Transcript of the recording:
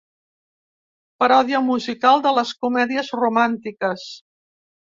Paròdia musical de les comèdies romàntiques.